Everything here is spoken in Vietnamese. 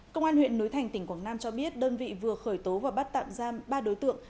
công an huyện núi thành tỉnh quảng nam cho biết đơn vị vừa khởi tố và bắt tạm giam ba đối tượng